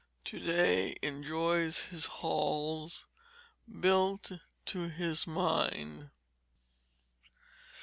[TO DAY, ENJOYS HIS HALLS, BUILT TO HIS MIND.